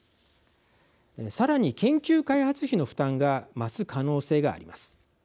さらに、研究開発費の負担が増す可能性があります。